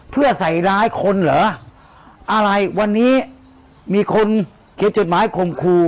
เพื่อใส่ร้ายคนเหรออะไรวันนี้มีคนเขียนจดหมายข่มขู่